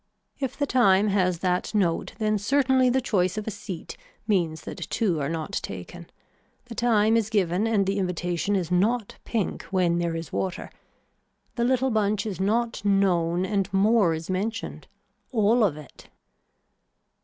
If the time has that note then certainly the choice of a seat means that two are not taken. The time is given and the invitation is not pink when there is water. The little bunch is not known and more is mentioned. All of it.